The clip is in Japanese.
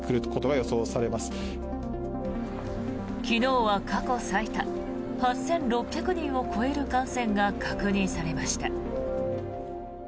昨日は過去最多８６００人を超える感染が確認されました。